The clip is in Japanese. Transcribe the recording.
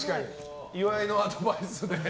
岩井のアドバイスでね。